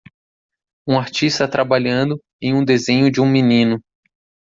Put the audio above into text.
Um artista trabalhando em um desenho de um menino.